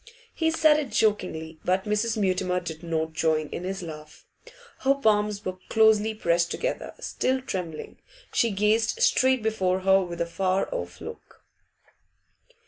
He said it jokingly, but Mrs. Mutimer did not join in his laugh. Her palms were closely pressed together; still trembling, she gazed straight before her, with a far off look.